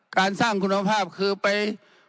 การสร้างคุณภาพคือไป